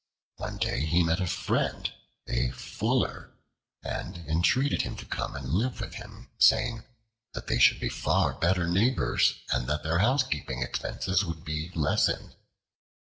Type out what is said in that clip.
One day he met a friend, a Fuller, and entreated him to come and live with him, saying that they should be far better neighbors and that their housekeeping expenses would be lessened.